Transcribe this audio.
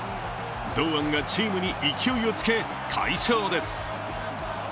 堂安がチームに勢いをつけ、快勝です。